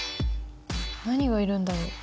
何がいるんだろう？